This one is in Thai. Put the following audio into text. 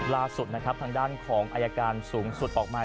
ล่าสุดนะครับทางด้านของอายการสูงสุดออกมา